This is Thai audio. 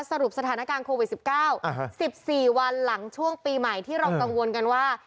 สรุปสถานการณ์โควิดสิบเก้าอ่าฮะสิบสี่วันหลังช่วงปีใหม่ที่เรากังวลกันว่า